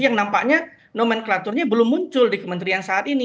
yang nampaknya nomenklaturnya belum muncul di kementerian saat ini